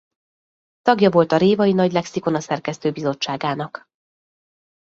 Tagja volt a Révai nagy lexikona szerkesztő bizottságának.